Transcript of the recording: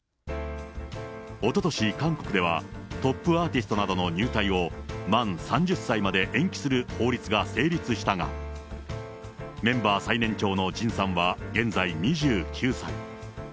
おととし、韓国では、トップアーティストなどの入隊を満３０歳まで延期する法律が成立したが、メンバー最年長のジンさんは、現在２９歳。